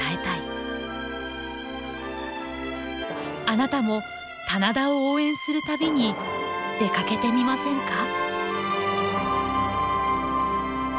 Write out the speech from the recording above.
あなたも棚田を応援する旅に出かけてみませんか？